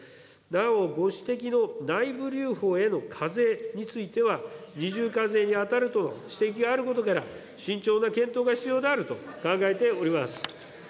なお、ご指摘の内部留保への課税については、二重課税に当たるとの指摘があることから、慎重な検討が必要であると考えております。